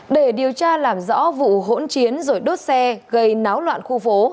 để điều tra làm rõ vụ hỗn chiến rồi đốt xe gây náo loạn khu phố